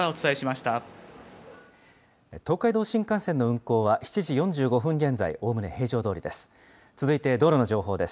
東海道新幹線の運行は、７時４５分現在、おおむね平常どおりです。